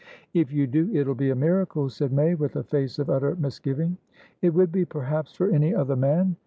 "If you do, it'll be a miracle," said May, with a face of utter misgiving. "It would be, perhaps, for any other man.